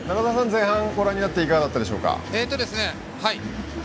前半ご覧になっていかがでしたでしょうか？